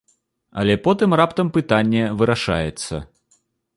Але потым раптам пытанне вырашаецца.